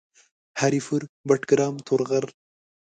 هري پور ، بټګرام ، تورغر